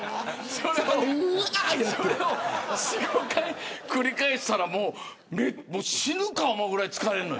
それを４、５回繰り返したら死ぬかと思うぐらい疲れるのよ。